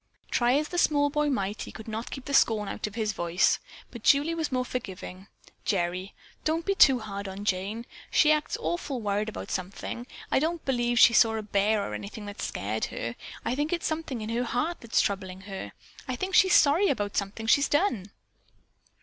Try as the small boy might, he could not keep the scorn out of his voice. But Julie was more forgiving. "Gerry, don't be too hard on Jane. She acts awfully worried about something. I don't believe she saw a bear or anything that scared her. I think it's something in her heart that's troubling her. I think she's sorry about something she's done."